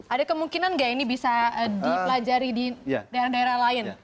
ada kemungkinan nggak ini bisa dipelajari di daerah daerah lain